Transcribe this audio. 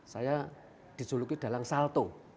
saya dijuluki dalang salto